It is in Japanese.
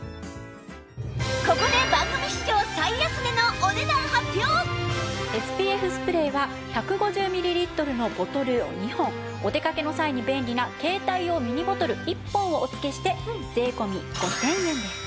ここで ＳＰＦ スプレーは１５０ミリリットルのボトルを２本お出かけの際に便利な携帯用ミニボトル１本をお付けして税込５０００円です。